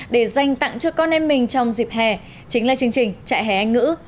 để dành tặng cho con em mình trong dịp hè chính là chương trình trại hè anh ngữ